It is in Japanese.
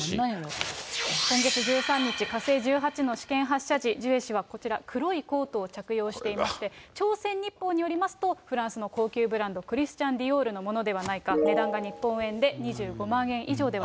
今月１３日、火星１８の試験発射時、ジュエ氏はこちら、黒いコートを着用していまして、朝鮮日報によりますと、フランスの高級ブランド、クリスチャン・ディオールのものではないか、値段が日本円で２５万円以上ではないか。